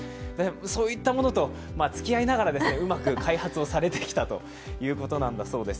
そういうものとうまく付き合いながら、開発をされてきたということなんだそうです。